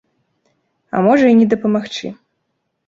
А можа і не дапамагчы.